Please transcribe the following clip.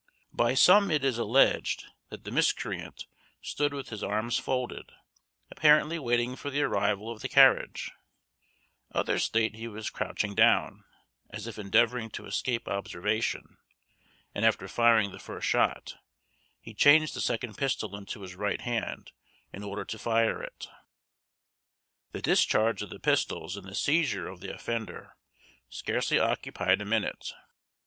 By some it is alleged that the miscreant stood with his arms folded, apparently waiting for the arrival of the carriage; others state that he was crouching down, as if endeavouring to escape observation; and, after firing the first shot, he changed the second pistol into his right hand in order to fire it. The discharge of the pistols and the seizure of the offender scarcely occupied a minute.